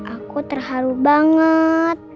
aku terharu banget